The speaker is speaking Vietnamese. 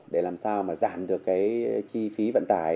để làm sao giảm được chi phí vận tải